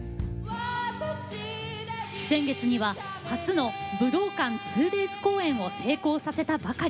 先月には初の武道館２ｄａｙｓ公演を成功させたばかり。